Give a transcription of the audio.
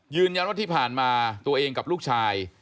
ยืนยันว่าที่ผ่านมาตัวเองกับลูกชาย